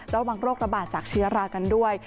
ระวังโรคระบาดจากเชื้อรากันด้วย